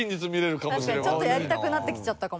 確かにちょっとやりたくなってきちゃったかも。